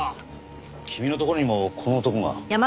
君のところにもこの男が？